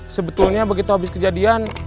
sebetulnya begitu habis kejadian